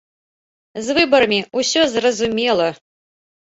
З выбарамі ўсё зразумела!